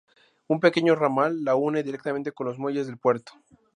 Un pequeño ramal la une directamente con los muelles del puerto.